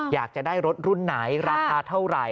อยากจะได้รถรุ่นไหนราคาเท่าไหร่